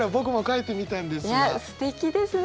いやすてきですね。